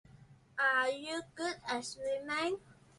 I am good at swimming.